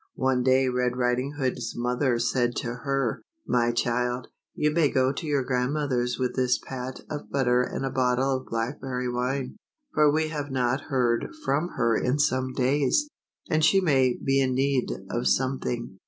One day Red Riding Hoods mother said to her, " My child, you may go to your grandmother's with this pat of butter and bottle of blackberry wine, for we have not heard from her in some days, and she may be in need of some thing.